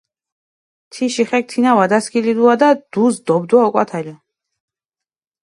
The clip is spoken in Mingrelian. თიში ხექ თინა ვადასქილიდუადა, დუს დობდვა ოკვათალო.